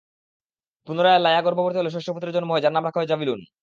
পুনরায় লায়্যা গর্ভবতী হলে ষষ্ঠ পুত্রের জন্ম হয় যার নাম রাখা হয় যাবিলূন।